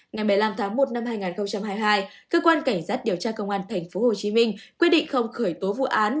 ngày một mươi năm tháng một năm hai nghìn hai mươi hai cơ quan cảnh sát điều tra công an tp hcm quyết định không khởi tố vụ án